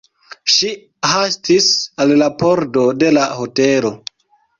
Ŝi hastis al la pordo de la hotelo.